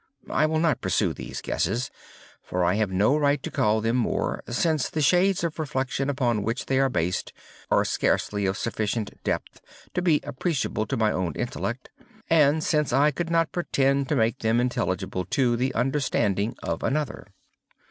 I will not pursue these guesses—for I have no right to call them more—since the shades of reflection upon which they are based are scarcely of sufficient depth to be appreciable by my own intellect, and since I could not pretend to make them intelligible to the understanding of another.